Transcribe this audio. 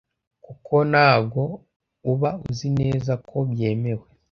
kuko ntabwo uba uzi neza ko byemewe